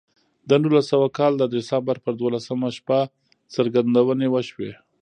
د نولس سوه کال د ډسمبر پر دولسمه شپه څرګندونې وشوې